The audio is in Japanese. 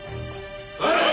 はい！